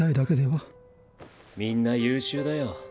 みんな優秀だよ。